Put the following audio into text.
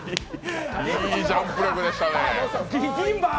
いいジャンプ力でしたね。